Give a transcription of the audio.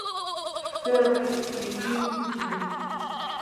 Sever" y "Beautiful Joe".